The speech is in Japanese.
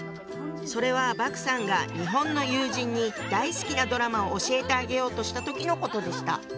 それは莫さんが日本の友人に大好きなドラマを教えてあげようとした時のことでした。